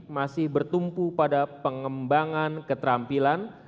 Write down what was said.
masih bertumpu pada pengembangan keterampilan